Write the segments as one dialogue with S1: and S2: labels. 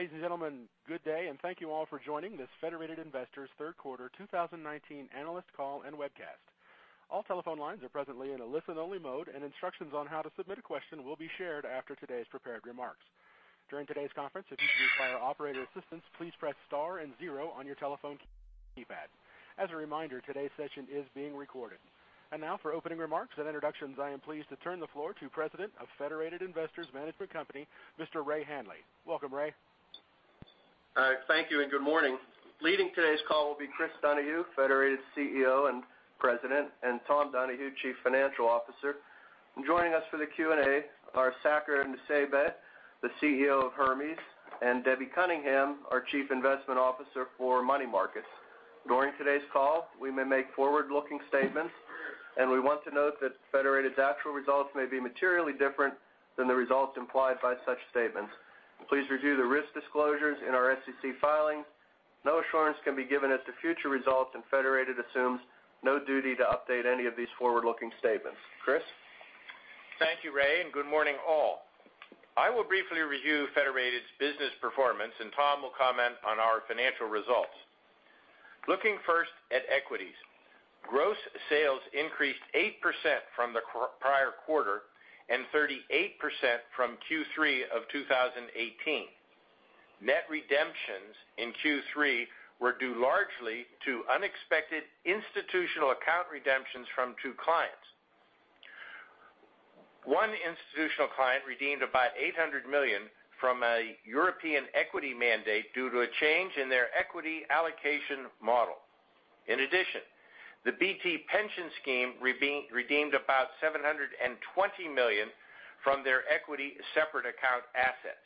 S1: Ladies and gentlemen, good day, and thank you all for joining this Federated Investors third quarter 2019 analyst call and webcast. All telephone lines are presently in a listen-only mode, and instructions on how to submit a question will be shared after today's prepared remarks. During today's conference, if you do require operator assistance, please press star and zero on your telephone keypad. As a reminder, today's session is being recorded. Now for opening remarks and introductions, I am pleased to turn the floor to President of Federated Investors Management Company, Mr. Ray Hanley. Welcome, Ray.
S2: All right. Thank you and good morning. Leading today's call will be Chris Donahue, Federated CEO and President, and Tom Donahue, Chief Financial Officer. Joining us for the Q&A are Saker Nusseibeh, the CEO of Hermes, and Debbie Cunningham, our Chief Investment Officer for money markets. During today's call, we may make forward-looking statements, and we want to note that Federated's actual results may be materially different than the results implied by such statements. Please review the risk disclosures in our SEC filings. No assurance can be given as to future results, and Federated assumes no duty to update any of these forward-looking statements. Chris?
S3: Thank you, Ray, and good morning, all. I will briefly review Federated's business performance, and Tom will comment on our financial results. Looking first at equities. Gross sales increased 8% from the prior quarter and 38% from Q3 of 2018. Net redemptions in Q3 were due largely to unexpected institutional account redemptions from two clients. One institutional client redeemed about $800 million from a European equity mandate due to a change in their equity allocation model. In addition, the BT Pension Scheme redeemed about $720 million from their equity separate account assets.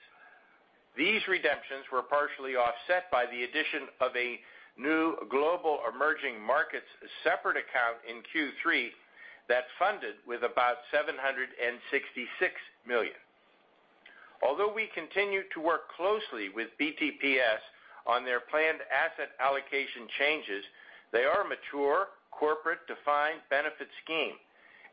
S3: These redemptions were partially offset by the addition of a new global emerging markets separate account in Q3 that funded with about $766 million. Although we continue to work closely with BTPS on their planned asset allocation changes, they are a mature corporate-defined benefit scheme,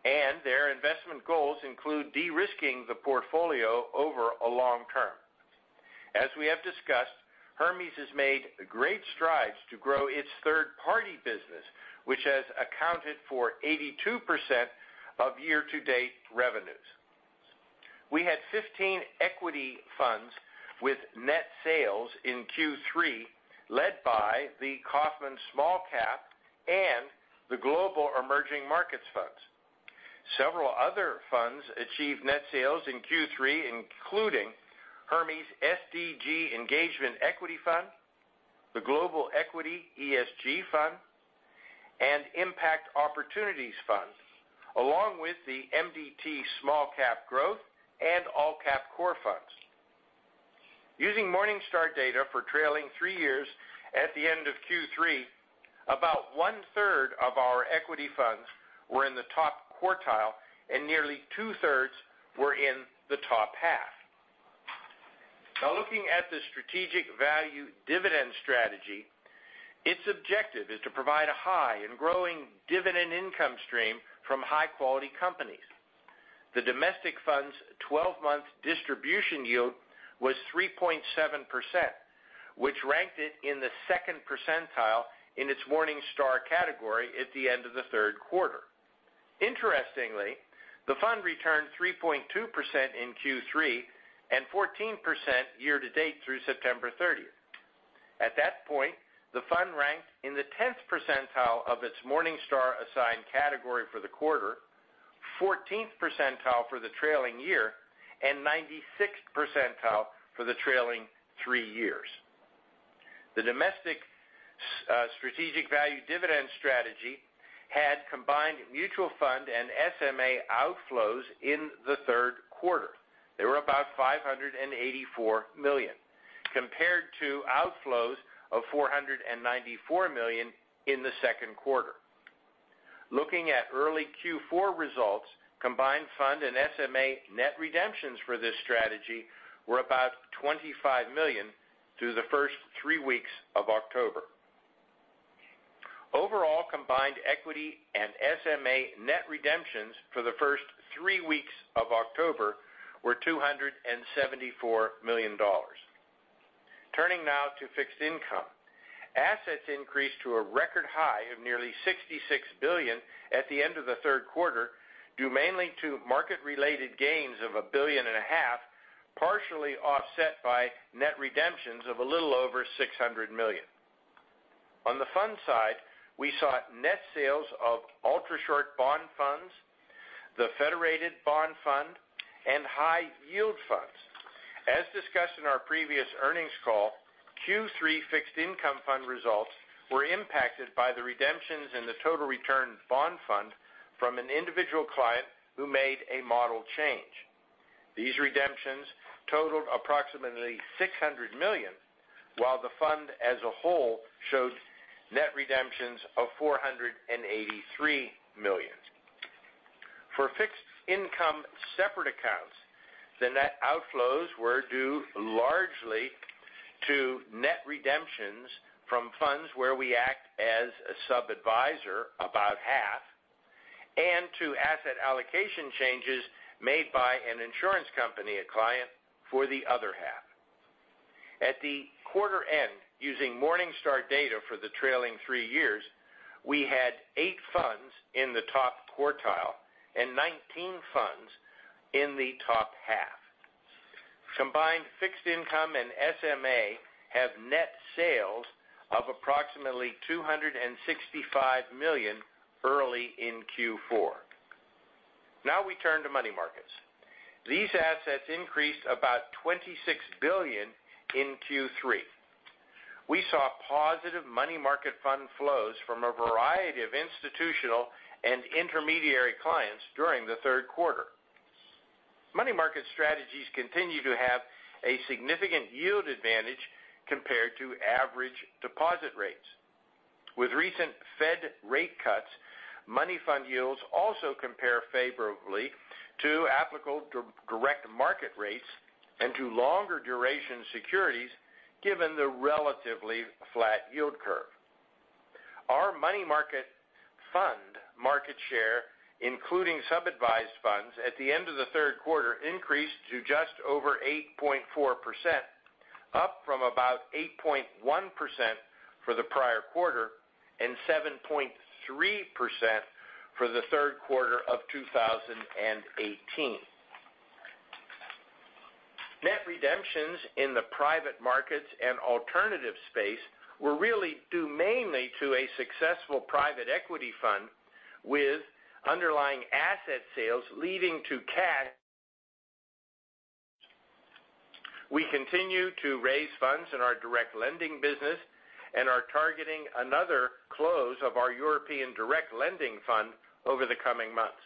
S3: and their investment goals include de-risking the portfolio over a long term. As we have discussed, Hermes has made great strides to grow its third-party business, which has accounted for 82% of year-to-date revenues. We had 15 equity funds with net sales in Q3, led by the Kaufmann Small Cap and the Global Emerging Markets Funds. Several other funds achieved net sales in Q3, including Hermes' SDG Engagement Equity Fund, the Global Equity ESG Fund, and Impact Opportunities Fund, along with the MDT Small Cap Growth and All Cap Core Funds. Using Morningstar data for trailing three years at the end of Q3, about one-third of our equity funds were in the top quartile, and nearly two-thirds were in the top half. Looking at the Strategic Value Dividend strategy, its objective is to provide a high and growing dividend income stream from high-quality companies. The domestic fund's 12-month distribution yield was 3.7%, which ranked it in the second percentile in its Morningstar category at the end of the third quarter. Interestingly, the fund returned 3.2% in Q3 and 14% year-to-date through September 30th. At that point, the fund ranked in the 10th percentile of its Morningstar-assigned category for the quarter, 14th percentile for the trailing year, and 96th percentile for the trailing three years. The domestic Strategic Value Dividend strategy had combined mutual fund and SMA outflows in the third quarter. They were about $584 million, compared to outflows of $494 million in the second quarter. Looking at early Q4 results, combined fund and SMA net redemptions for this strategy were about $25 million through the first three weeks of October. Overall, combined equity and SMA net redemptions for the first three weeks of October were $274 million. Turning now to fixed income. Assets increased to a record high of nearly $66 billion at the end of the third quarter, due mainly to market-related gains of a billion and a half, partially offset by net redemptions of a little over $600 million. On the fund side, we saw net sales of ultrashort bond funds, the Federated Bond Fund, and high-yield funds. As discussed in our previous earnings call, Q3 fixed income fund results were impacted by the redemptions in the Total Return Bond Fund from an individual client who made a model change. These redemptions totaled approximately $600 million, while the fund as a whole showed net redemptions of $483 million. For fixed income separate accounts, the net outflows were due largely to net redemptions from funds where we act as a sub-adviser, about half and to asset allocation changes made by an insurance company, a client, for the other half. At the quarter end, using Morningstar data for the trailing three years, we had eight funds in the top quartile and 19 funds in the top half. Combined fixed income and SMA have net sales of approximately $265 million early in Q4. Now we turn to money markets. These assets increased about $26 billion in Q3. We saw positive money market fund flows from a variety of institutional and intermediary clients during the third quarter. Money market strategies continue to have a significant yield advantage compared to average deposit rates. With recent Fed rate cuts, money fund yields also compare favorably to applicable direct market rates and to longer duration securities, given the relatively flat yield curve. Our money market fund market share, including sub-advised funds at the end of the third quarter, increased to just over 8.4%, up from about 8.1% for the prior quarter and 7.3% for the third quarter of 2018. Net redemptions in the private markets and alternative space were really due mainly to a successful private equity fund with underlying asset sales leading to cash. We continue to raise funds in our direct lending business and are targeting another close of our European Direct Lending Fund over the coming months.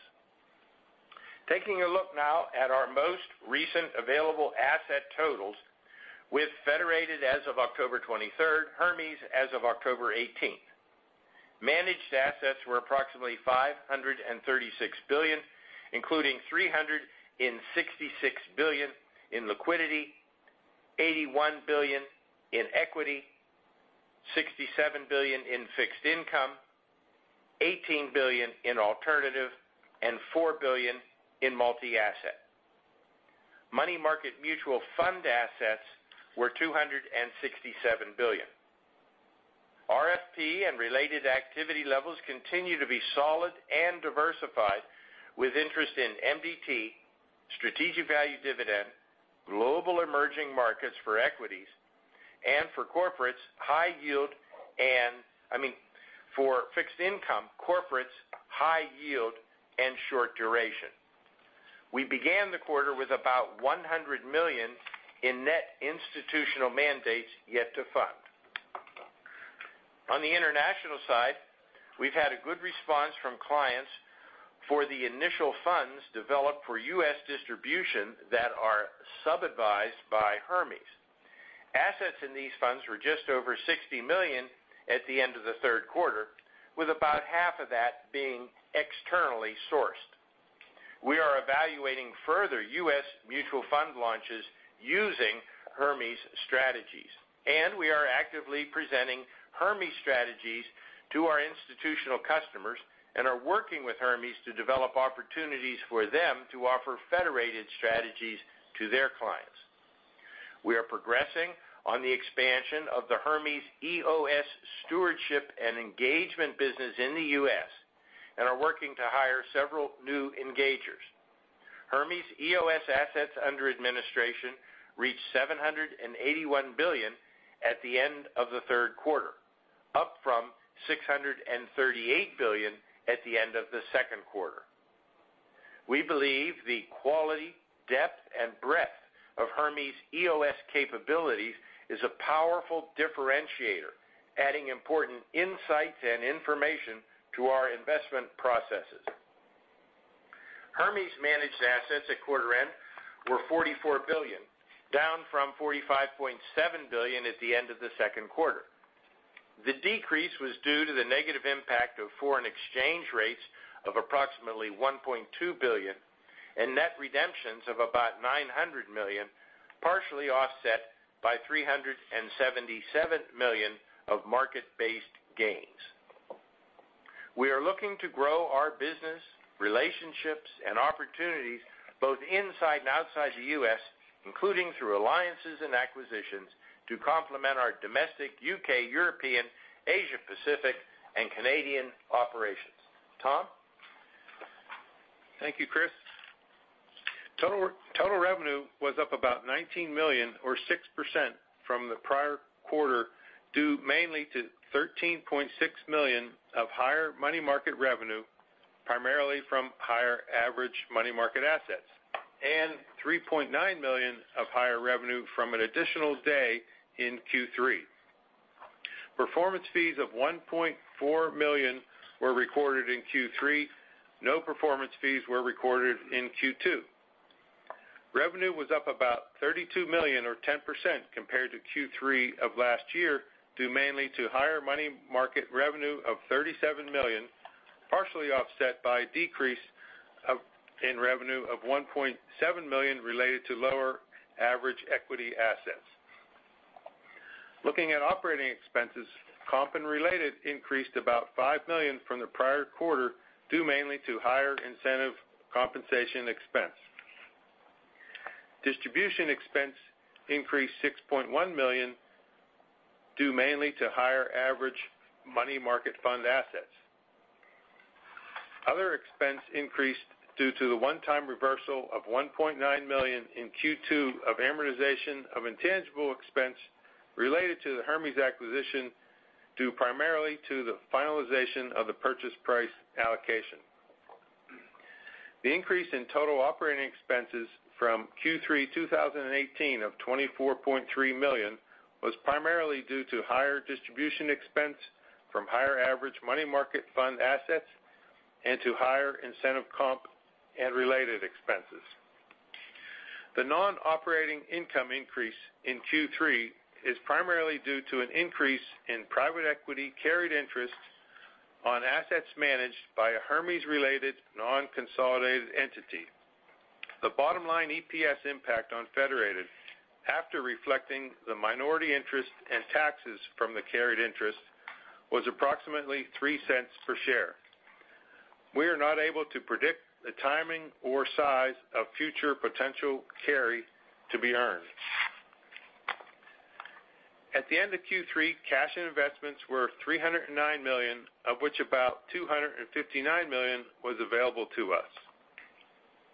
S3: Taking a look now at our most recent available asset totals with Federated as of October 23rd, Hermes as of October 18th. Managed assets were approximately $536 billion, including $366 billion in liquidity, $81 billion in equity, $67 billion in fixed income, $18 billion in alternative, and $4 billion in multi-asset. Money market mutual fund assets were $267 billion. RFP and related activity levels continue to be solid and diversified with interest in MDT, Strategic Value Dividend, Global Emerging Markets for equities, and for corporates, high yield, I mean, for fixed income corporates, high yield and short duration. We began the quarter with about $100 million in net institutional mandates yet to fund. On the international side, we've had a good response from clients for the initial funds developed for U.S. distribution that are sub-advised by Hermes. Assets in these funds were just over $60 million at the end of the third quarter, with about half of that being externally sourced. We are evaluating further U.S. mutual fund launches using Hermes strategies, and we are actively presenting Hermes strategies to our institutional customers and are working with Hermes to develop opportunities for them to offer Federated strategies to their clients. We are progressing on the expansion of the Hermes EOS Stewardship and Engagement business in the U.S. and are working to hire several new engagers. Hermes EOS assets under administration reached $781 billion at the end of the third quarter, up from $638 billion at the end of the second quarter. We believe the quality, depth, and breadth of Hermes EOS capabilities is a powerful differentiator, adding important insights and information to our investment processes. Hermes managed assets at quarter-end were $44 billion, down from $45.7 billion at the end of the second quarter. The decrease was due to the negative impact of foreign exchange rates of approximately 1.2 billion and net redemptions of about $900 million, partially offset by $377 million of market-based gains. We are looking to grow our business, relationships, and opportunities both inside and outside the U.S., including through alliances and acquisitions to complement our domestic U.K., European, Asia Pacific, and Canadian operations. Tom?
S4: Thank you, Chris. Total revenue was up about $19 million or 6% from the prior quarter, due mainly to $13.6 million of higher money market revenue, primarily from higher average money market assets, and $3.9 million of higher revenue from an additional day in Q3. Performance fees of $1.4 million were recorded in Q3. No performance fees were recorded in Q2. Revenue was up about $32 million or 10% compared to Q3 of last year, due mainly to higher money market revenue of $37 million, partially offset by decrease in revenue of $1.7 million related to lower average equity assets. Looking at operating expenses, comp and related increased about $5 million from the prior quarter, due mainly to higher incentive compensation expense. Distribution expense increased $6.1 million, due mainly to higher average money market fund assets. Other expense increased due to the one-time reversal of $1.9 million in Q2 of amortization of intangible expense related to the Hermes acquisition, due primarily to the finalization of the purchase price allocation. The increase in total operating expenses from Q3 2018 of $24.3 million was primarily due to higher distribution expense from higher average money market fund assets and to higher incentive comp and related expenses. The non-operating income increase in Q3 is primarily due to an increase in private equity carried interest on assets managed by a Hermes-related non-consolidated entity. The bottom line EPS impact on Federated, after reflecting the minority interest and taxes from the carried interest, was approximately $0.03 per share. We are not able to predict the timing or size of future potential carry to be earned. At the end of Q3, cash and investments were $309 million, of which about $259 million was available to us.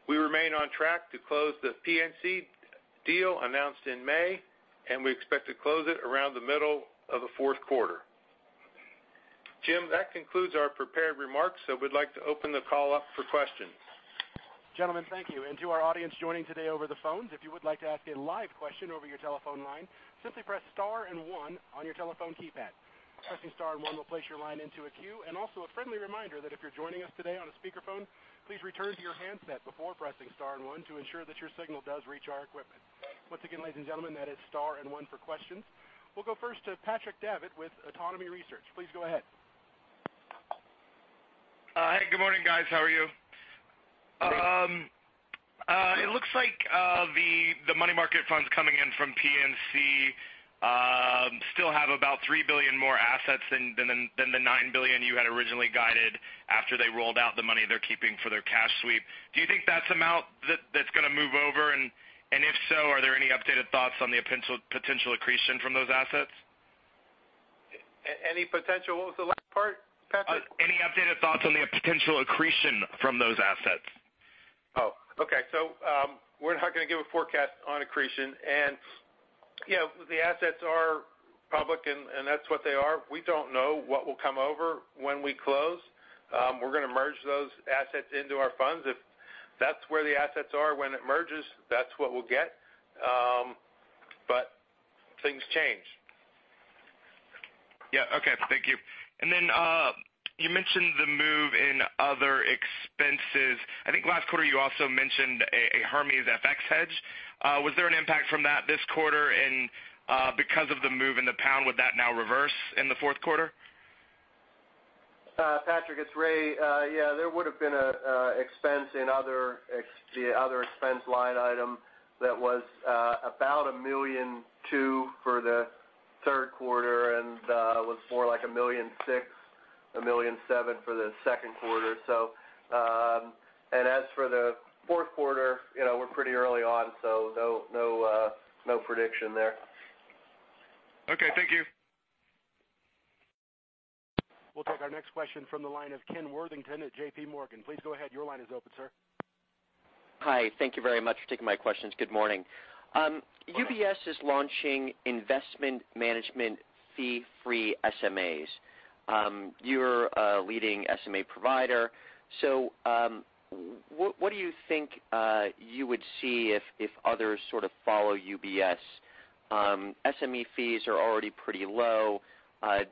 S4: We remain on track to close the PNC deal announced in May, and we expect to close it around the middle of the fourth quarter. Jim, that concludes our prepared remarks. We'd like to open the call up for questions.
S1: Gentlemen, thank you. To our audience joining today over the phones, if you would like to ask a live question over your telephone line, simply press star and one on your telephone keypad. Pressing star and one will place your line into a queue. Also, a friendly reminder that if you're joining us today on a speakerphone, please return to your handset before pressing star and one to ensure that your signal does reach our equipment. Once again, ladies and gentlemen, that is star and one for questions. We'll go first to Patrick Davitt with Autonomous Research. Please go ahead.
S5: Hi, good morning, guys. How are you?
S4: Great.
S5: It looks like the money market funds coming in from PNC still have about $3 billion more assets than the $9 billion you had originally guided after they rolled out the money they're keeping for their cash sweep. Do you think that amount that's going to move over, and if so, are there any updated thoughts on the potential accretion from those assets?
S4: What was the last part, Patrick?
S5: Any updated thoughts on the potential accretion from those assets?
S4: Okay. We're not going to give a forecast on accretion. The assets are public, and that's what they are. We don't know what will come over when we close. We're going to merge those assets into our funds. If that's where the assets are when it merges, that's what we'll get. Things change.
S5: Yeah, okay. Thank you. Then you mentioned the move in other expenses. I think last quarter you also mentioned a Hermes FX hedge. Was there an impact from that this quarter? Because of the move in the pound, would that now reverse in the fourth quarter?
S2: Patrick, it's Ray. Yeah, there would have been an expense in the other expense line item that was about $1.2 million for the third quarter, and was more like $1.6 million, $1.7 million for the second quarter. As for the fourth quarter, we're pretty early on, so no prediction there.
S5: Okay, thank you.
S1: We'll take our next question from the line of Kenneth Worthington at JPMorgan. Please go ahead. Your line is open, sir.
S6: Hi. Thank you very much for taking my questions. Good morning. UBS is launching investment management fee-free SMAs. You're a leading SMA provider. What do you think you would see if others sort of follow UBS? SMA fees are already pretty low.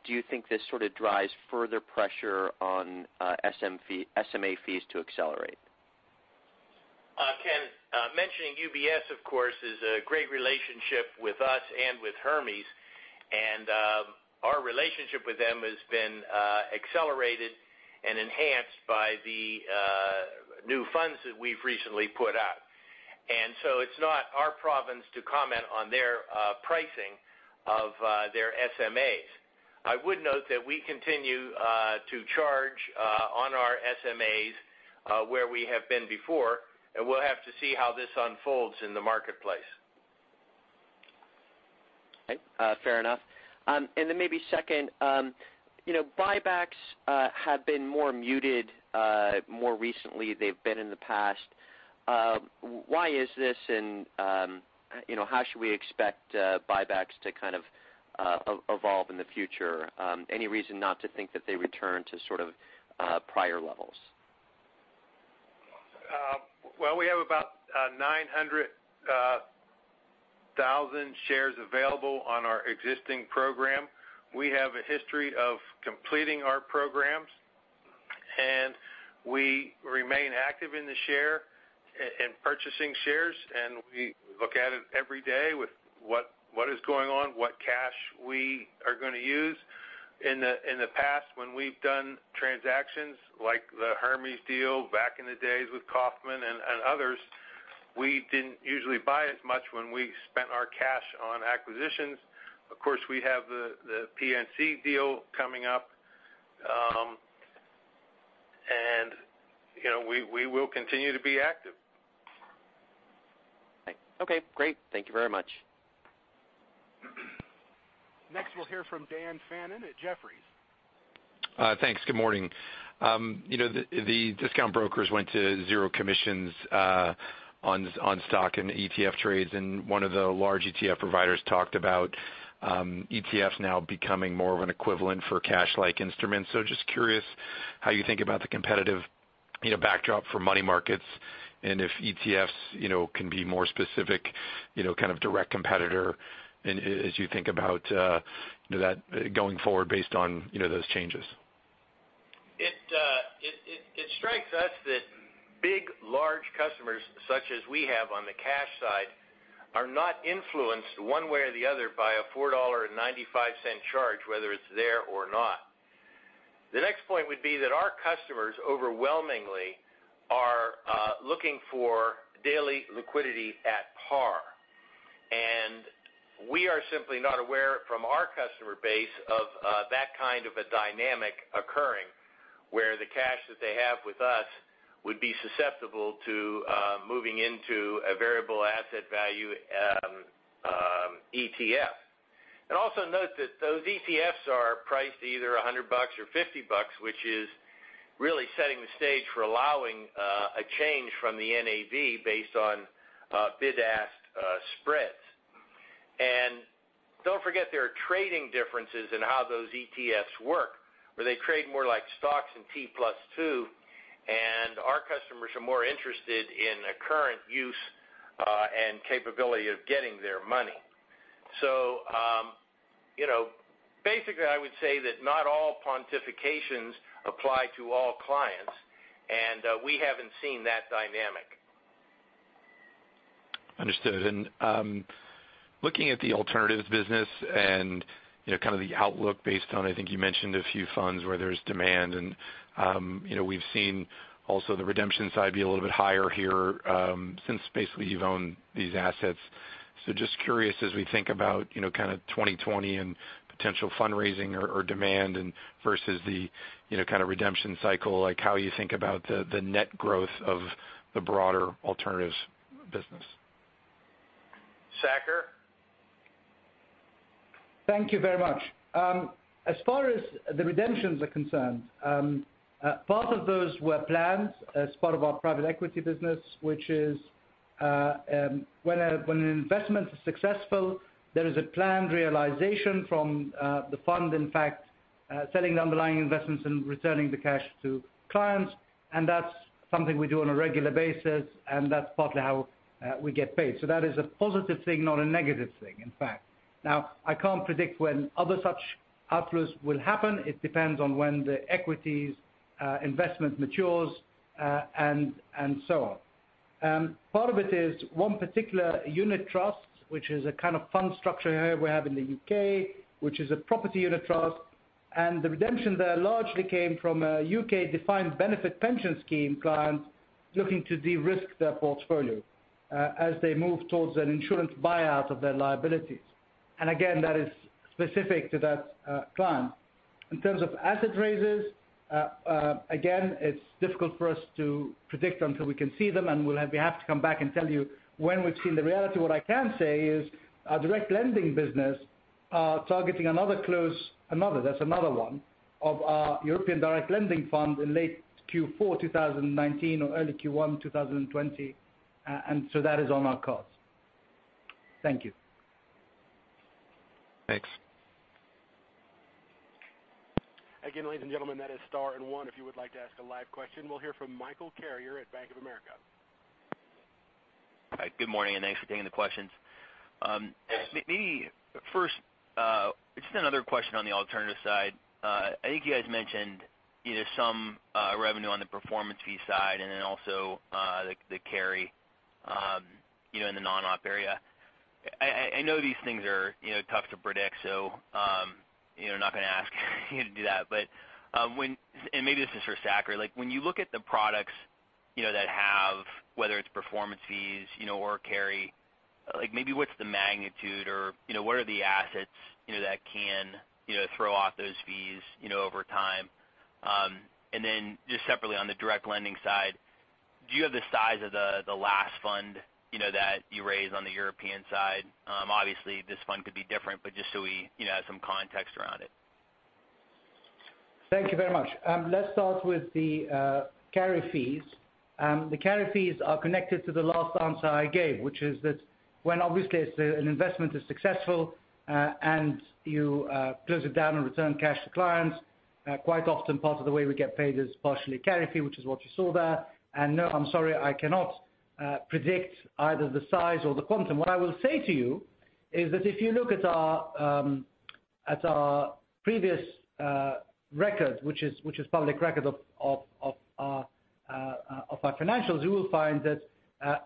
S6: Do you think this sort of drives further pressure on SMA fees to accelerate?
S4: Ken, mentioning UBS, of course, is a great relationship with us and with Hermes. Our relationship with them has been accelerated and enhanced by the new funds that we've recently put out. It's not our province to comment on their pricing of their SMAs. I would note that we continue to charge on our SMAs where we have been before, and we'll have to see how this unfolds in the marketplace.
S6: Okay. Fair enough. Maybe second, buybacks have been more muted more recently they've been in the past. Why is this? How should we expect buybacks to kind of evolve in the future? Any reason not to think that they return to sort of prior levels?
S4: Well, we have about 900,000 shares available on our existing program. We have a history of completing our programs, and we remain active in the share and purchasing shares, and we look at it every day with what is going on, what cash we are going to use. In the past when we've done transactions like the Hermes deal back in the days with Kaufmann and others, we didn't usually buy as much when we spent our cash on acquisitions. Of course, we have the PNC deal coming up. We will continue to be active.
S6: Okay, great. Thank you very much.
S1: Next, we'll hear from Daniel Fannon at Jefferies.
S7: Thanks. Good morning. The discount brokers went to zero commissions on stock and ETF trades, and one of the large ETF providers talked about ETFs now becoming more of an equivalent for cash-like instruments. Just curious how you think about the competitive backdrop for money markets, and if ETFs can be more specific, kind of direct competitor as you think about that going forward based on those changes.
S4: It strikes us that big, large customers, such as we have on the cash side, are not influenced one way or the other by a $4.95 charge, whether it's there or not. The next point would be that our customers overwhelmingly are looking for daily liquidity at par. We are simply not aware from our customer base of that kind of a dynamic occurring, where the cash that they have with us would be susceptible to moving into a variable asset value ETF. Also note that those ETFs are priced either $100 or $50, which is really setting the stage for allowing a change from the NAV based on bid-ask spreads. Don't forget there are trading differences in how those ETFs work, where they trade more like stocks in T+2, and our customers are more interested in a current use and capability of getting their money. Basically, I would say that not all pontifications apply to all clients, and we haven't seen that dynamic.
S7: Understood. Looking at the alternatives business and kind of the outlook based on, I think you mentioned a few funds where there's demand and we've seen also the redemption side be a little bit higher here since basically you've owned these assets. Just curious as we think about kind of 2020 and potential fundraising or demand and versus the kind of redemption cycle, like how you think about the net growth of the broader alternatives business.
S4: Saker?
S8: Thank you very much. As far as the redemptions are concerned, part of those were planned as part of our private equity business, which is when an investment is successful, there is a planned realization from the fund, in fact, selling the underlying investments and returning the cash to clients. That's something we do on a regular basis, and that's partly how we get paid. That is a positive thing, not a negative thing, in fact. I can't predict when other such outflows will happen. It depends on when the equity's investment matures and so on. Part of it is one particular unit trust, which is a kind of fund structure here we have in the U.K., which is a property unit trust. The redemption there largely came from a U.K.-defined benefit pension scheme client looking to de-risk their portfolio as they move towards an insurance buyout of their liabilities. Again, that is specific to that client. In terms of asset raises, again, it's difficult for us to predict until we can see them, and we'll have to come back and tell you when we've seen the reality. What I can say is our direct lending business are targeting another close of our Hermes European Direct Lending Fund in late Q4 2019 or early Q1 2020. That is on our cards. Thank you.
S7: Thanks.
S1: Again, ladies and gentlemen, that is star and one if you would like to ask a live question. We'll hear from Michael Carrier at Bank of America.
S9: Hi, good morning. Thanks for taking the questions.
S4: Thanks.
S9: Maybe first, just another question on the alternatives side. I think you guys mentioned some revenue on the performance fee side and then also the carry in the non-op area. I know these things are tough to predict, so I'm not going to ask you to do that. Maybe this is for Saker. When you look at the products that have, whether it's performance fees or carry, maybe what's the magnitude or what are the assets that can throw off those fees over time? Then just separately on the direct lending side, do you have the size of the last fund that you raised on the European side? Obviously, this fund could be different, but just so we have some context around it.
S8: Thank you very much. Let's start with the carry fees. The carry fees are connected to the last answer I gave, which is that when obviously an investment is successful, and you close it down and return cash to clients, quite often part of the way we get paid is partially carry fee, which is what you saw there. No, I'm sorry, I cannot predict either the size or the quantum. What I will say to you is that if you look at our previous record, which is public record of our financials, you will find that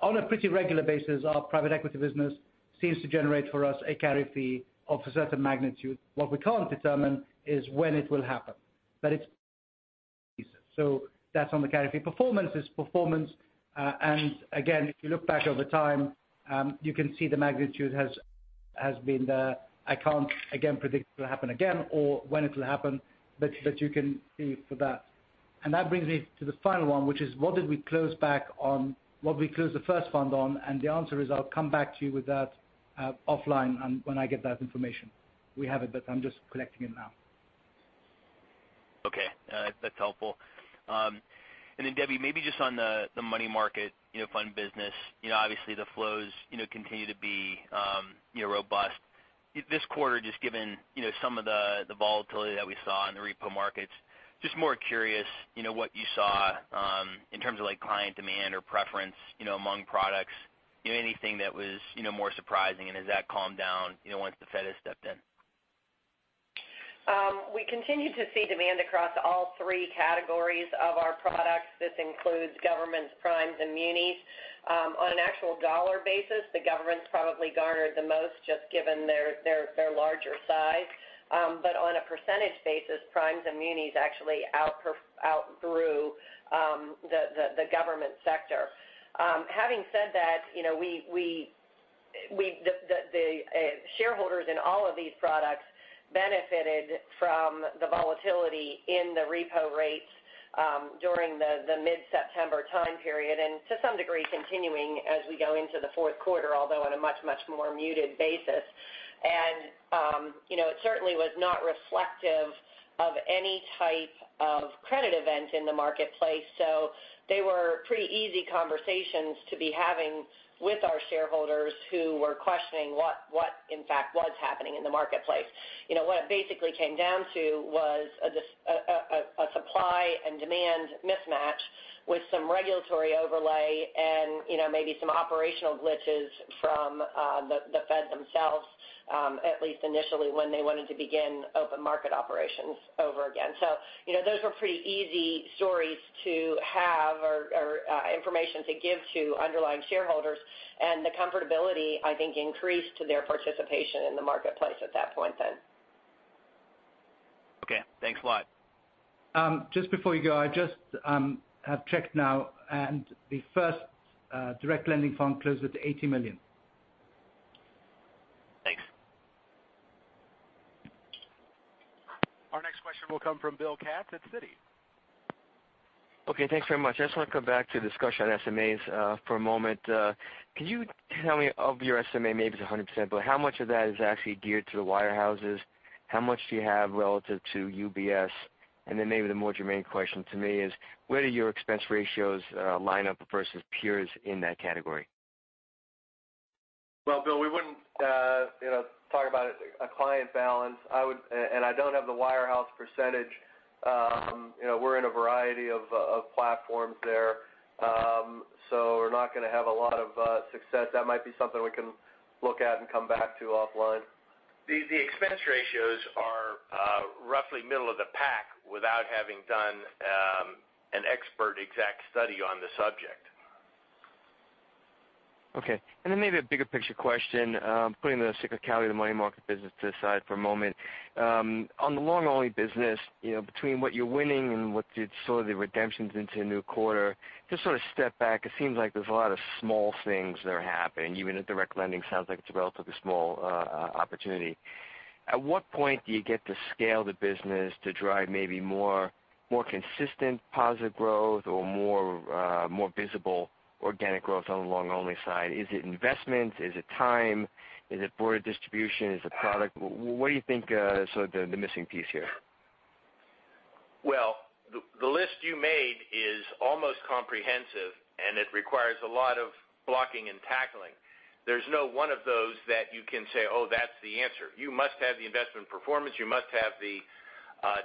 S8: on a pretty regular basis, our private equity business seems to generate for us a carry fee of a certain magnitude. What we can't determine is when it will happen. That's on the carry fee performance. Again, if you look back over time, you can see the magnitude has been there. I can't, again, predict it'll happen again or when it'll happen, but you can see for that. That brings me to the final one, which is, what did we close the first fund on? The answer is, I'll come back to you with that offline when I get that information. We have it, but I'm just collecting it now.
S9: Okay. That's helpful. Debbie, maybe just on the money market fund business. Obviously, the flows continue to be robust. This quarter, just given some of the volatility that we saw in the repo markets, just more curious what you saw in terms of client demand or preference among products. Anything that was more surprising, has that calmed down once the Fed has stepped in?
S10: We continue to see demand across all 3 categories of our products. This includes governments, primes, and munis. On an actual dollar basis, the government's probably garnered the most just given their larger size. On a percentage basis, primes and munis actually outgrew the government sector. Having said that, the shareholders in all of these products benefited from the volatility in the repo rates during the mid-September time period, and to some degree, continuing as we go into the fourth quarter, although on a much, much more muted basis. It certainly was not reflective of any type of credit event in the marketplace. They were pretty easy conversations to be having with our shareholders who were questioning what in fact was happening in the marketplace. What it basically came down to was a supply and demand mismatch with some regulatory overlay and maybe some operational glitches from the Fed themselves, at least initially when they wanted to begin open market operations over again. Those were pretty easy stories to have or information to give to underlying shareholders, and the comfortability, I think, increased their participation in the marketplace at that point then.
S9: Okay, thanks a lot.
S8: Just before you go, I just have checked now, the first direct lending fund closed at $80 million.
S9: Thanks.
S1: Our next question will come from William Katz at Citi.
S11: Okay. Thanks very much. I just want to come back to the discussion on SMAs for a moment. Can you tell me of your SMA, maybe it's 100%, but how much of that is actually geared to the wire houses? How much do you have relative to UBS? Maybe the more germane question to me is, where do your expense ratios line up versus peers in that category?
S3: Well, Bill, we wouldn't talk about a client balance. I don't have the wire house %. We're in a variety of platforms there. We're not going to have a lot of success. That might be something we can look at and come back to offline.
S8: The expense ratios are roughly middle of the pack without having done an expert exact study on the subject.
S11: Okay. Then maybe a bigger picture question. Putting the sacred cow of the money market business to the side for a moment. On the long-only business, between what you're winning and what you'd saw the redemptions into a new quarter, just sort of step back. It seems like there's a lot of small things that are happening. Even the direct lending sounds like it's a relatively small opportunity. At what point do you get to scale the business to drive maybe more consistent positive growth or more visible organic growth on the long-only side? Is it investment? Is it time? Is it board of distribution? Is it product? What do you think is the missing piece here?
S3: Well, the list you made is almost comprehensive, and it requires a lot of blocking and tackling. There's no one of those that you can say, "Oh, that's the answer." You must have the investment performance. You must have the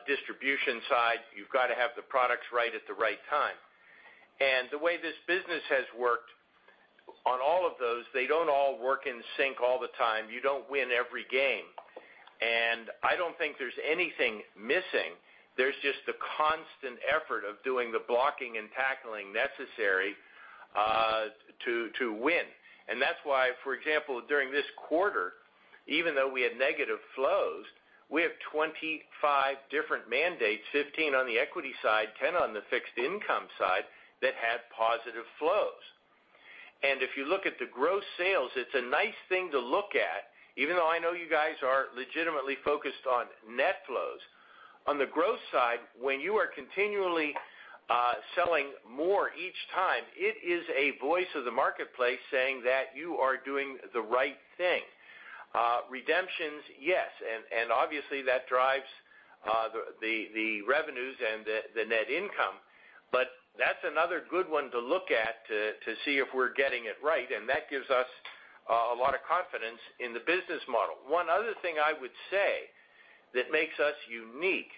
S3: distribution side. You've got to have the products right at the right time. The way this business has worked on all of those, they don't all work in sync all the time. You don't win every game. I don't think there's anything missing. There's just the constant effort of doing the blocking and tackling necessary to win. That's why, for example, during this quarter, even though we had negative flows, we have 25 different mandates, 15 on the equity side, 10 on the fixed income side that had positive flows. If you look at the gross sales, it's a nice thing to look at, even though I know you guys are legitimately focused on net flows. On the growth side, when you are continually selling more each time, it is a voice of the marketplace saying that you are doing the right thing. Redemptions, yes, and obviously, that drives the revenues and the net income. That's another good one to look at to see if we're getting it right. That gives us a lot of confidence in the business model. One other thing I would say that makes us unique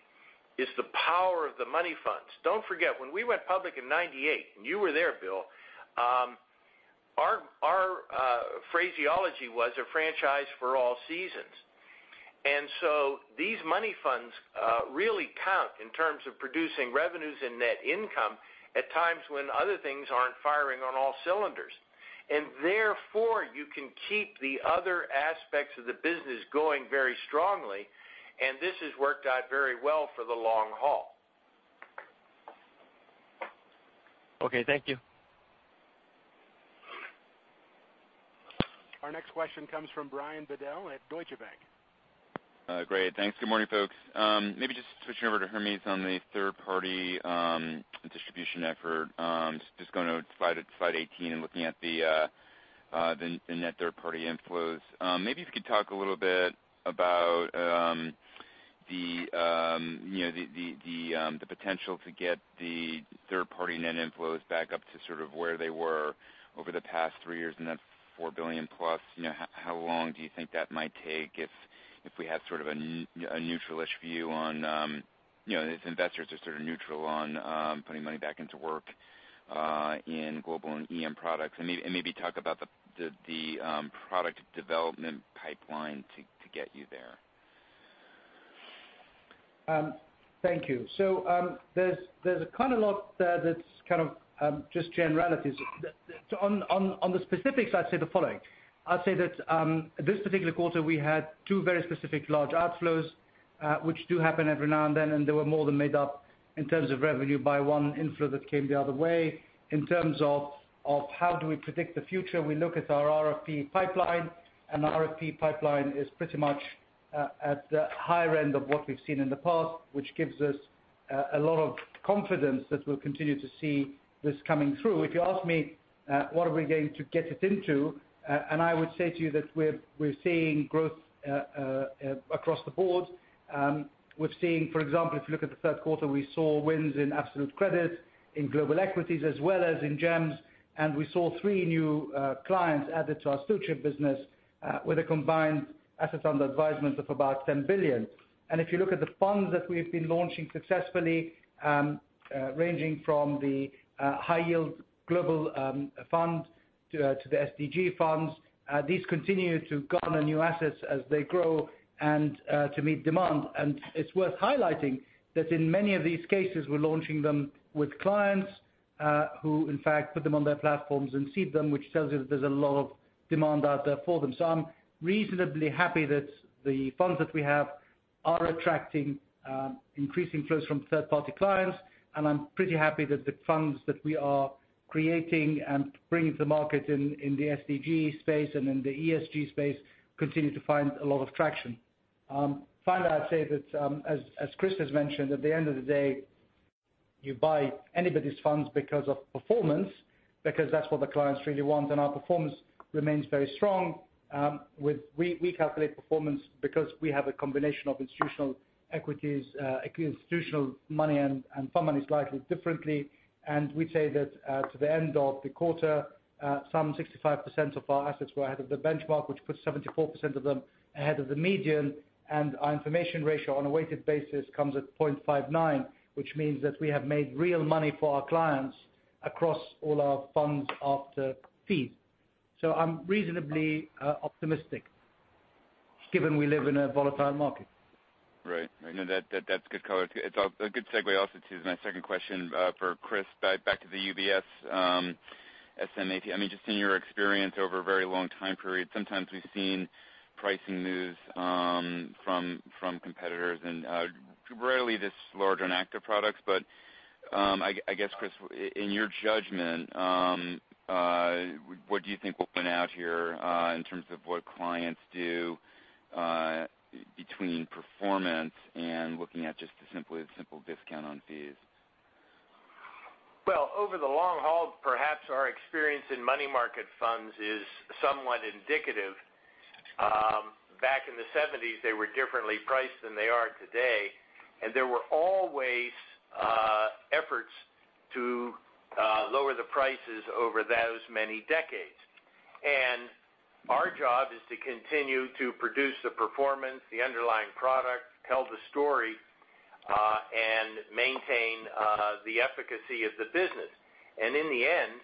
S3: is the power of the money funds. Don't forget, when we went public in 1998, and you were there, Bill, phraseology was a franchise for all seasons. These money funds really count in terms of producing revenues and net income at times when other things aren't firing on all cylinders. Therefore, you can keep the other aspects of the business going very strongly. This has worked out very well for the long haul.
S11: Okay, thank you.
S1: Our next question comes from Brian Bedell at Deutsche Bank.
S12: Great. Thanks. Good morning, folks. Maybe just switching over to Hermes on the third-party distribution effort. Just going to slide 18 and looking at the net third-party inflows. Maybe if you could talk a little bit about the potential to get the third-party net inflows back up to sort of where they were over the past three years, and that's $4 billion plus. How long do you think that might take if we had sort of a neutral-ish view on, if investors are sort of neutral on putting money back into work in global and EM products? And maybe talk about the product development pipeline to get you there.
S8: Thank you. There's a kind of lot there that's kind of just generalities. On the specifics, I'd say the following. I'd say that this particular quarter, we had two very specific large outflows, which do happen every now and then, and they were more than made up in terms of revenue by one inflow that came the other way. In terms of how do we predict the future, we look at our RFP pipeline, and the RFP pipeline is pretty much at the higher end of what we've seen in the past, which gives us a lot of confidence that we'll continue to see this coming through. If you ask me, what are we going to get it into, and I would say to you that we're seeing growth across the board. We're seeing, for example, if you look at the third quarter, we saw wins in absolute credit, in global equities, as well as in GEMs. We saw three new clients added to our stewardship business with a combined assets under advisement of about $10 billion. If you look at the funds that we've been launching successfully, ranging from the Global High Yield Credit to the SDG funds, these continue to garner new assets as they grow and to meet demand. It's worth highlighting that in many of these cases, we're launching them with clients who, in fact, put them on their platforms and seed them, which tells you that there's a lot of demand out there for them. I'm reasonably happy that the funds that we have are attracting increasing flows from third-party clients. I'm pretty happy that the funds that we are creating and bringing to the market in the SDG space and in the ESG space continue to find a lot of traction. Finally, I'd say that, as Chris has mentioned, at the end of the day, you buy anybody's funds because of performance, because that's what the clients really want. Our performance remains very strong. We calculate performance because we have a combination of institutional equities, institutional money, and fund money is likely differently. We say that to the end of the quarter, some 65% of our assets were ahead of the benchmark, which puts 74% of them ahead of the median. Our information ratio on a weighted basis comes at 0.59, which means that we have made real money for our clients across all our funds after fees. I'm reasonably optimistic given we live in a volatile market.
S12: Right. No, that's good color. It's a good segue also to my second question for Chris. Back to the UBS SMA. Just in your experience over a very long time period, sometimes we've seen pricing moves from competitors and rarely this large on active products. I guess, Chris, in your judgment, what do you think will pan out here in terms of what clients do between performance and looking at just the simple discount on fees?
S3: Well, over the long haul, perhaps our experience in money market funds is somewhat indicative. Back in the '70s, they were differently priced than they are today, and there were always efforts to lower the prices over those many decades. Our job is to continue to produce the performance, the underlying product, tell the story, and maintain the efficacy of the business. In the end,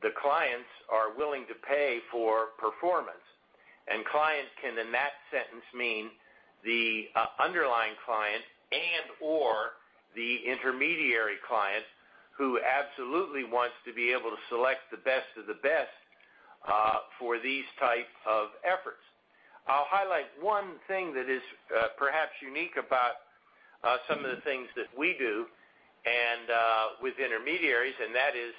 S3: the clients are willing to pay for performance. Clients can, in that sentence, mean the underlying client and/or the intermediary client who absolutely wants to be able to select the best of the best for these type of efforts. I'll highlight one thing that is perhaps unique about some of the things that we do with intermediaries, that is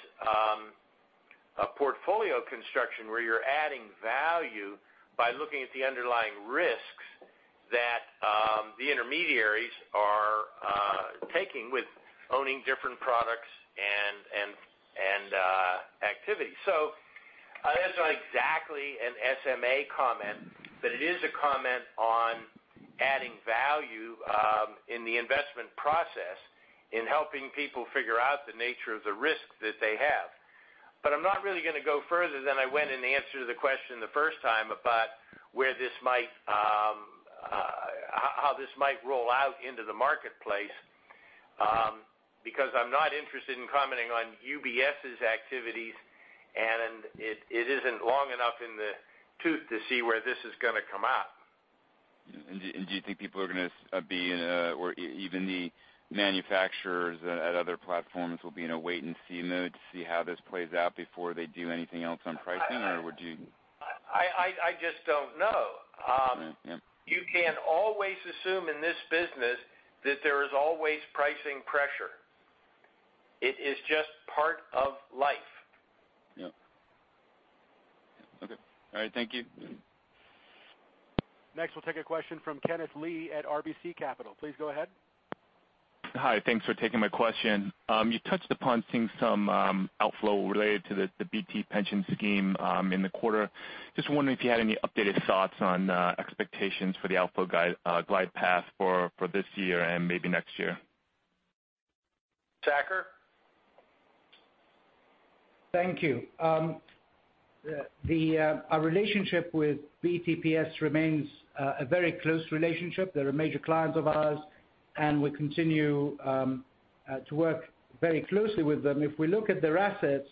S3: a portfolio construction where you're adding value by looking at the underlying risks that the intermediaries are taking with owning different products and activities. That's not exactly an SMA comment, it is a comment on adding value in the investment process in helping people figure out the nature of the risk that they have. I'm not really going to go further than I went in the answer to the question the first time about how this might roll out into the marketplace, because I'm not interested in commenting on UBS's activities, it isn't long enough in the tooth to see where this is going to come out.
S12: Do you think people are going to be in a or even the manufacturers at other platforms will be in a wait-and-see mode to see how this plays out before they do anything else on pricing? Or would you?
S3: I just don't know.
S12: Yeah.
S3: You can always assume in this business that there is always pricing pressure. It is just part of life.
S12: Yeah. Okay. All right, thank you.
S1: Next, we'll take a question from Kenneth Lee at RBC Capital. Please go ahead.
S13: Hi. Thanks for taking my question. You touched upon seeing some outflow related to the BT Pension Scheme in the quarter. Just wondering if you had any updated thoughts on expectations for the outflow guide path for this year and maybe next year.
S3: Saker?
S8: Thank you. Our relationship with BTPS remains a very close relationship. They're a major client of ours, and we continue to work very closely with them. If we look at their assets,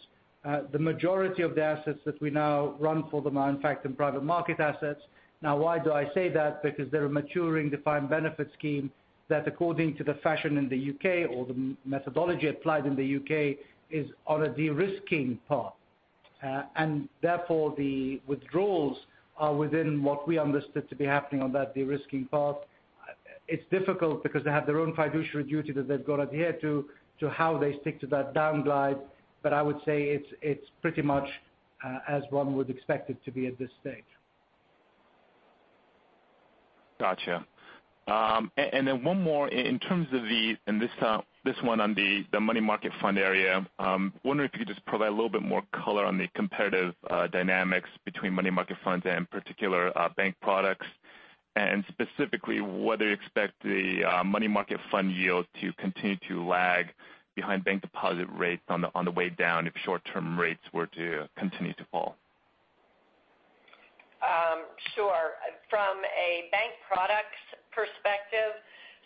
S8: the majority of the assets that we now run for them are, in fact, in private market assets. Why do I say that? They're a maturing defined benefit scheme that, according to the fashion in the U.K. or the methodology applied in the U.K., is on a de-risking path. Therefore, the withdrawals are within what we understood to be happening on that de-risking path. It's difficult because they have their own fiduciary duty that they've got to adhere to how they stick to that down glide. I would say it's pretty much as one would expect it to be at this stage.
S13: Got you. One more. In terms of this one on the money market fund area. Wondering if you could just provide a little bit more color on the comparative dynamics between money market funds and particular bank products. Specifically, whether you expect the money market fund yield to continue to lag behind bank deposit rates on the way down if short-term rates were to continue to fall.
S10: Sure. From a bank products perspective,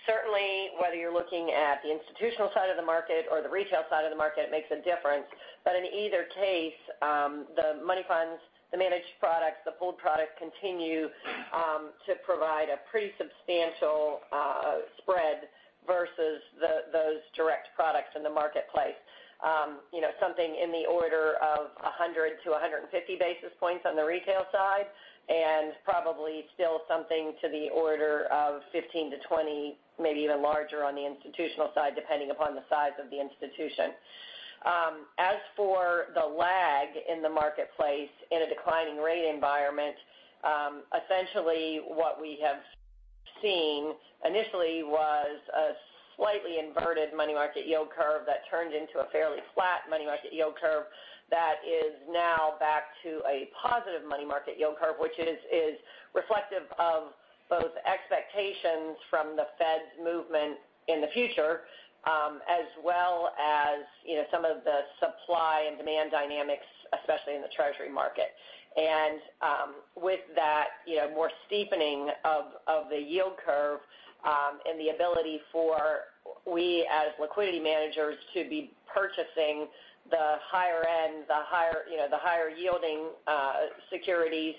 S10: certainly whether you're looking at the institutional side of the market or the retail side of the market, it makes a difference. In either case, the money funds, the managed products, the pooled product continue to provide a pretty substantial spread versus those direct products in the marketplace. Something in the order of 100-150 basis points on the retail side, and probably still something to the order of 15-20, maybe even larger on the institutional side, depending upon the size of the institution. As for the lag in the marketplace in a declining rate environment, essentially what we have seen initially was a slightly inverted money market yield curve that turned into a fairly flat money market yield curve. That is now back to a positive money market yield curve, which is reflective of both expectations from the Fed's movement in the future, as well as some of the supply and demand dynamics, especially in the Treasury market. With that more steepening of the yield curve, and the ability for we as liquidity managers to be purchasing the higher-end, the higher-yielding securities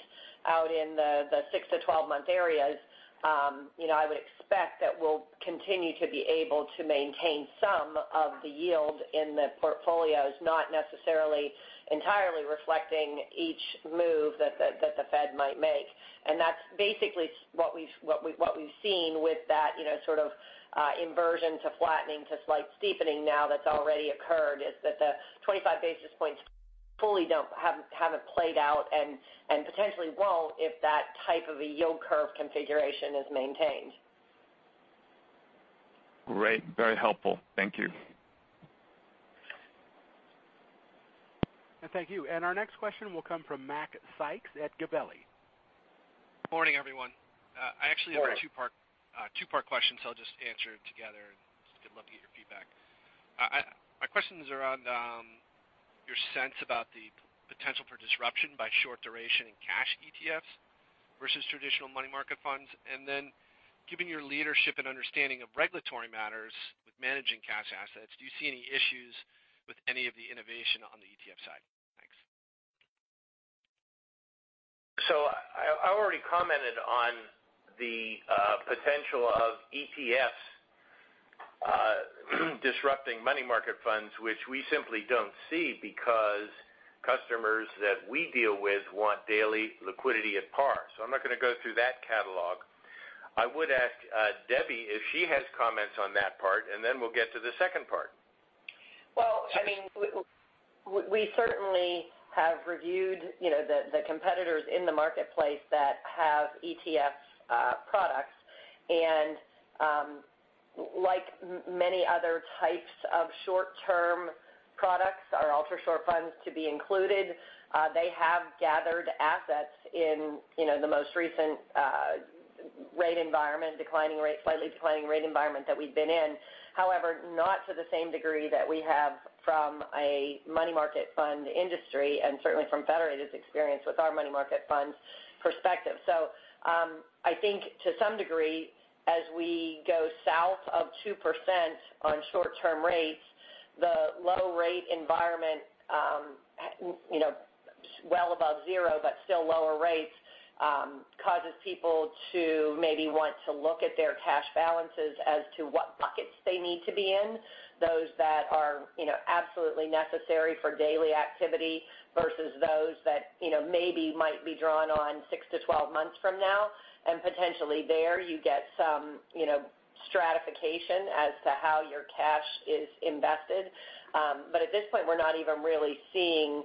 S10: out in the 6 to 12-month areas, I would expect that we'll continue to be able to maintain some of the yield in the portfolios, not necessarily entirely reflecting each move that the Fed might make. That's basically what we've seen with that sort of inversion to flattening to slight steepening now that's already occurred, is that the 25 basis points fully haven't played out and potentially won't if that type of a yield curve configuration is maintained.
S13: Great. Very helpful. Thank you.
S1: Thank you. Our next question will come from Macrae Sykes at Gabelli.
S14: Morning, everyone.
S3: Morning.
S14: I actually have a two-part question, so I'll just answer it together and just would love to get your feedback. My question is around your sense about the potential for disruption by short duration in cash ETFs versus traditional money market funds. Given your leadership and understanding of regulatory matters with managing cash assets, do you see any issues with any of the innovation on the ETF side? Thanks.
S3: I already commented on the potential of ETFs disrupting money market funds, which we simply don't see because customers that we deal with want daily liquidity at par. I'm not going to go through that catalog. I would ask Debbie if she has comments on that part, and then we'll get to the second part.
S10: Well, we certainly have reviewed the competitors in the marketplace that have ETF products. Like many other types of short-term products are ultra short funds to be included. They have gathered assets in the most recent rate environment, slightly declining rate environment that we've been in. Not to the same degree that we have from a money market fund industry, and certainly from Federated's experience with our money market funds perspective. I think to some degree, as we go south of 2% on short-term rates, the low rate environment, well above zero, but still lower rates, causes people to maybe want to look at their cash balances as to what buckets they need to be in. Those that are absolutely necessary for daily activity versus those that maybe might be drawn on six to 12 months from now. Potentially there you get some stratification as to how your cash is invested. At this point, we're not even really seeing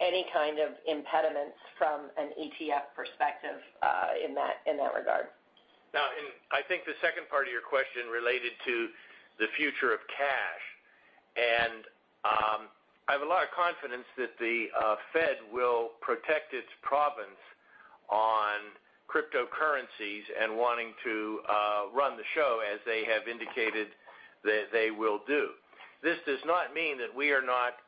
S10: any kind of impediments from an ETF perspective in that regard.
S4: I think the second part of your question related to the future of cash. I have a lot of confidence that the Fed will protect its province on cryptocurrencies and wanting to run the show as they have indicated that they will do. This does not mean that we are not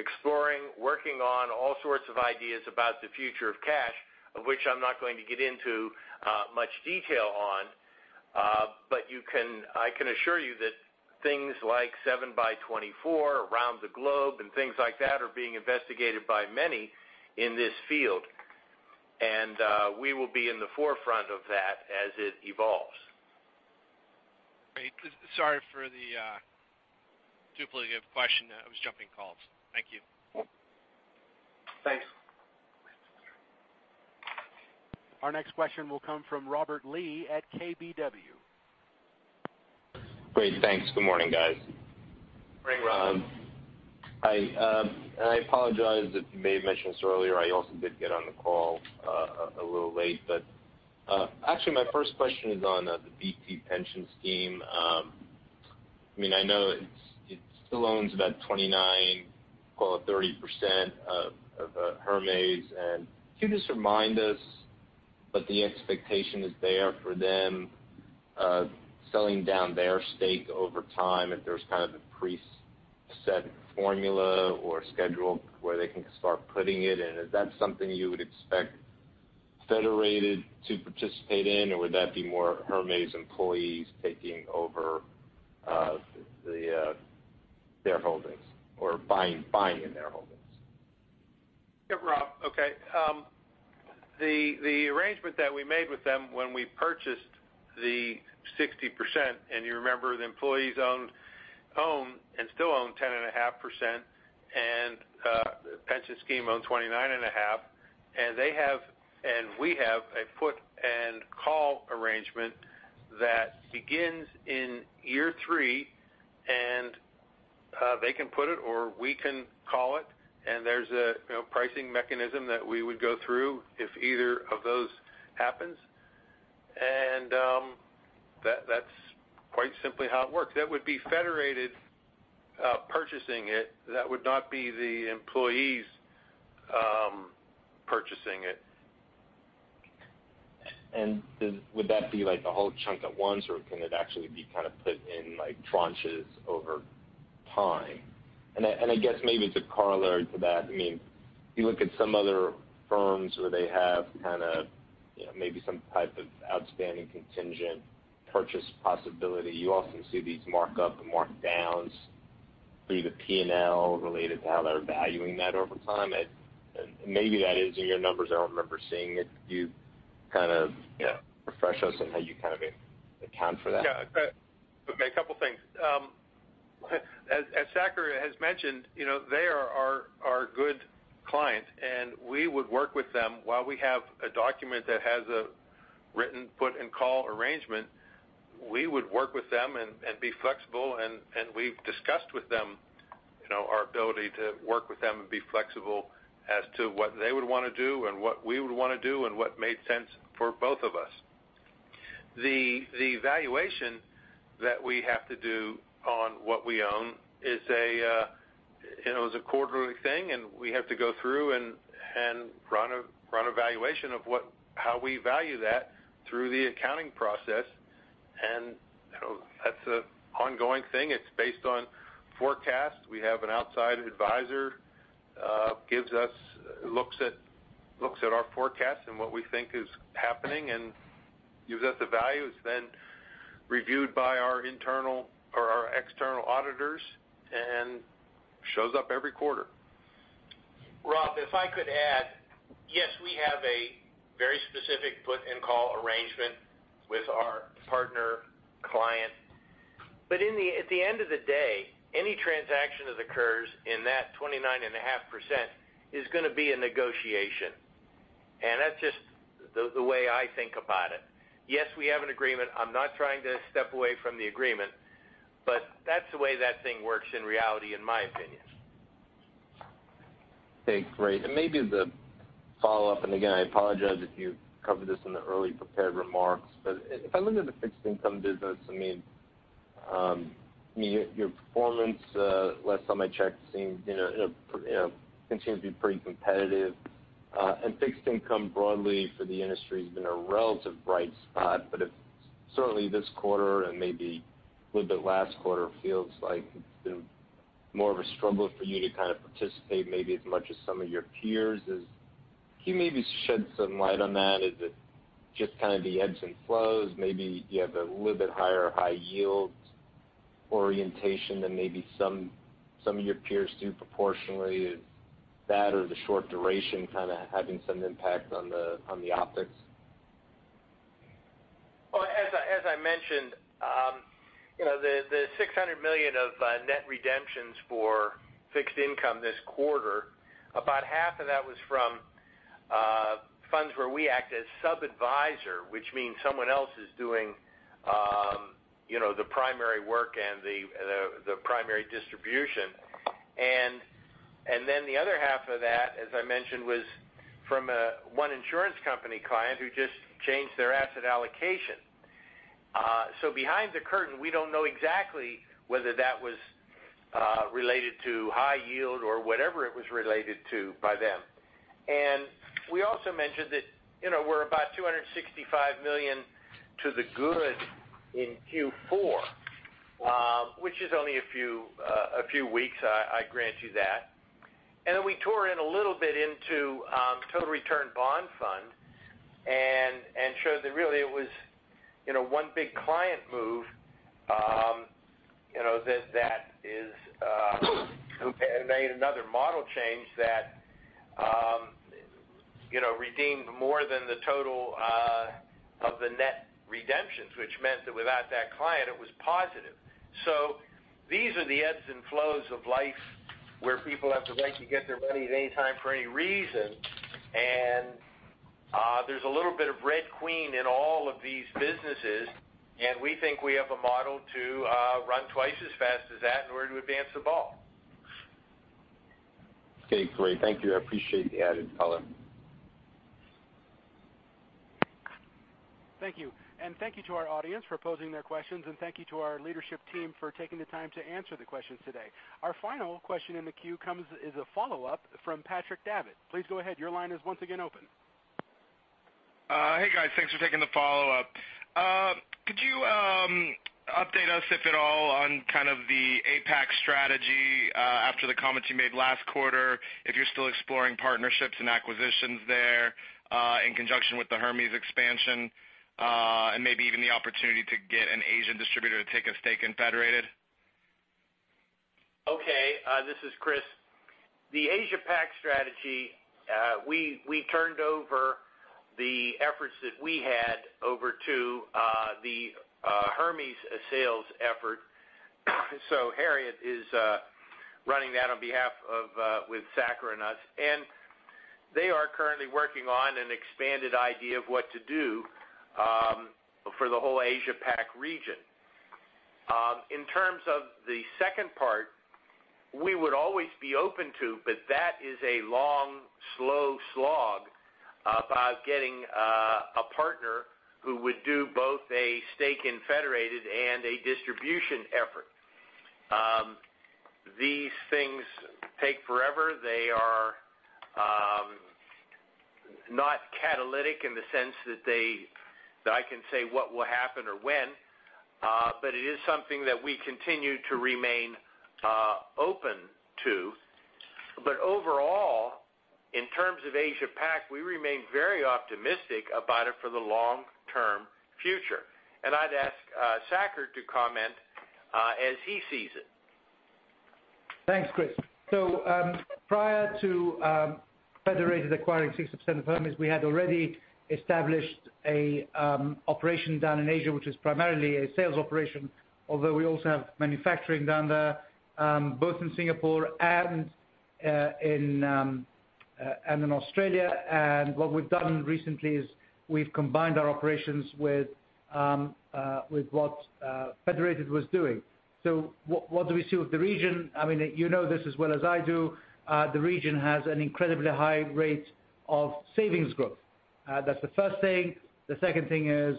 S4: exploring, working on all sorts of ideas about the future of cash, of which I'm not going to get into much detail on. I can assure you that things like seven by 24 around the globe and things like that are being investigated by many in this field. We will be in the forefront of that as it evolves.
S14: Great. Sorry for the duplicative question. I was jumping calls. Thank you.
S4: Thanks.
S1: Our next question will come from Robert Lee at KBW.
S15: Great. Thanks. Good morning, guys.
S4: Morning, Rob.
S15: Hi, I apologize if you may have mentioned this earlier, I also did get on the call a little late. Actually, my first question is on the BT Pension Scheme. I know it still owns about 29, call it 30% of Hermes. Could you just remind us what the expectation is there for them, selling down their stake over time if there's kind of a preset formula or schedule where they can start putting it in. Is that something you would expect Federated to participate in, or would that be more of Hermes employees taking over their holdings or buying their holdings?
S4: Yeah, Rob. Okay. The arrangement that we made with them when we purchased the 60%, you remember the employees owned Hermes, and still own 10.5%, and the pension scheme owned 29.5%. We have a put and call arrangement that begins in year three, and they can put it or we can call it, and there's a pricing mechanism that we would go through if either of those happens. That's quite simply how it works. That would be Federated purchasing it. That would not be the employees purchasing it.
S15: Would that be like a whole chunk at once, or can it actually be kind of put in tranches over time? I guess maybe to corollary to that, if you look at some other firms where they have kind of maybe some type of outstanding contingent purchase possibility, you often see these markup and markdowns through the P&L related to how they're valuing that over time. Maybe that is in your numbers. I don't remember seeing it. Can you kind of refresh us on how you kind of account for that?
S4: Yeah. A couple things. As Saker has mentioned, they are our good client, and we would work with them while we have a document that has a written put and call arrangement. We would work with them and be flexible. We've discussed with them our ability to work with them and be flexible as to what they would want to do and what we would want to do and what made sense for both of us. The valuation that we have to do on what we own is a quarterly thing, and we have to go through and run a valuation of how we value that through the accounting process. That's an ongoing thing. It's based on forecasts. We have an outside advisor, looks at our forecast and what we think is happening and gives us the values then reviewed by our internal or our external auditors and shows up every quarter.
S2: Rob, if I could add. We have a very specific put and call arrangement with our partner client. At the end of the day, any transaction that occurs in that 29.5% is going to be a negotiation. That's just the way I think about it. We have an agreement. I'm not trying to step away from the agreement, but that's the way that thing works in reality, in my opinion.
S15: Okay, great. Maybe the follow-up, and again, I apologize if you covered this in the early prepared remarks. If I look at the fixed income business, your performance last time I checked seemed to continue to be pretty competitive. Fixed income broadly for the industry has been a relative bright spot, but it's certainly this quarter and maybe a little bit last quarter feels like it's been more of a struggle for you to participate maybe as much as some of your peers. Can you maybe shed some light on that? Is it just the ebbs and flows? Maybe you have a little bit higher high yield orientation than maybe some of your peers do proportionally. Is that or the short duration having some impact on the optics?
S3: As I mentioned, the $600 million of net redemptions for fixed income this quarter, about half of that was from funds where we act as sub-advisor, which means someone else is doing the primary work and the primary distribution. The other half of that, as I mentioned, was from one insurance company client who just changed their asset allocation. Behind the curtain, we don't know exactly whether that was related to high yield or whatever it was related to by them. We also mentioned that we're about $265 million to the good in Q4, which is only a few weeks, I grant you that. Then we tore in a little bit into Total Return Bond Fund and showed that really it was one big client move, who made another model change that redeemed more than the total of the net redemptions, which meant that without that client, it was positive. These are the ebbs and flows of life where people have the right to get their money at any time for any reason. There's a little bit of Red Queen in all of these businesses, and we think we have a model to run twice as fast as that in order to advance the ball.
S15: Okay, great. Thank you. I appreciate the added color.
S1: Thank you. Thank you to our audience for posing their questions, and thank you to our leadership team for taking the time to answer the questions today. Our final question in the queue is a follow-up from Patrick Davitt. Please go ahead. Your line is once again open.
S5: Hey, guys. Thanks for taking the follow-up. Could you update us, if at all, on the APAC strategy after the comments you made last quarter, if you're still exploring partnerships and acquisitions there in conjunction with the Hermes expansion, and maybe even the opportunity to get an Asian distributor to take a stake in Federated?
S3: This is Chris. The Asia Pac strategy, we turned over the efforts that we had over to the Hermes sales effort. Harriet is running that on behalf with Saker and us. They are currently working on an expanded idea of what to do for the whole Asia Pac region. In terms of the second part, we would always be open to. That is a long, slow slog about getting a partner who would do both a stake in Federated and a distribution effort. These things take forever. They are not catalytic in the sense that I can say what will happen or when. It is something that we continue to remain open to. Overall, in terms of Asia Pac, we remain very optimistic about it for the long-term future. I'd ask Saker to comment as he sees it.
S8: Thanks, Chris. Prior to Federated acquiring 60% of Hermes, we had already established an operation down in Asia, which is primarily a sales operation, although we also have manufacturing down there, both in Singapore and in Australia. What we've done recently is we've combined our operations with what Federated was doing. What do we see with the region? You know this as well as I do. The region has an incredibly high rate of savings growth. That's the first thing. The second thing is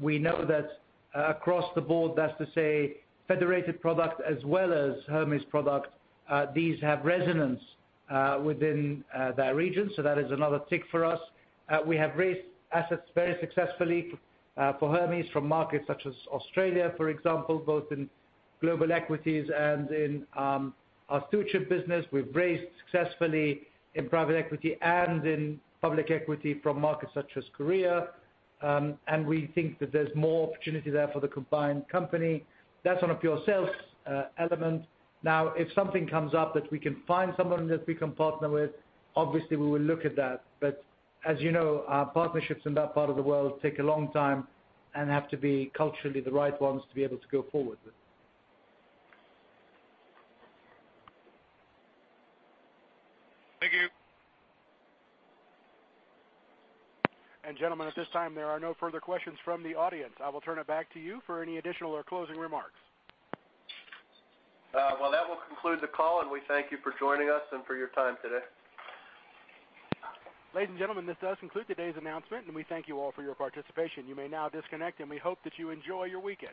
S8: we know that across the board, that's to say Federated product as well as Hermes product, these have resonance within that region. That is another tick for us. We have raised assets very successfully for Hermes from markets such as Australia, for example, both in global equities and in our future business. We've raised successfully in private equity and in public equity from markets such as Korea. We think that there's more opportunity there for the combined company. That's on a pure sales element. Now, if something comes up that we can find someone that we can partner with, obviously we will look at that. As you know, our partnerships in that part of the world take a long time and have to be culturally the right ones to be able to go forward with.
S5: Thank you.
S1: Gentlemen, at this time, there are no further questions from the audience. I will turn it back to you for any additional or closing remarks.
S3: Well, that will conclude the call, and we thank you for joining us and for your time today.
S1: Ladies and gentlemen, this does conclude today's announcement, and we thank you all for your participation. You may now disconnect, and we hope that you enjoy your weekend.